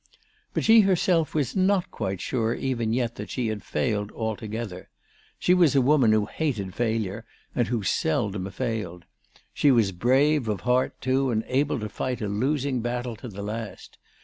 But she herself was not quite sure even yet that she had failed altogether. She was a woman who hated failure, and who seldom failed. She was brave of heart too, and able to fight a losing battle to the last.